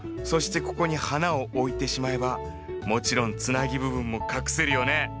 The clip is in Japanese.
そしてここに花を置いてしまえばもちろんつなぎ部分も隠せるよね。